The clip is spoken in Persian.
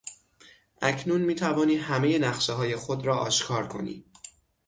اکنون میتوانی همهی نقشههای خود را آشکار کنی.